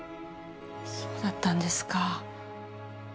そうだったんですか。